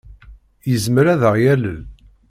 Yezmer ad aɣ-yalel?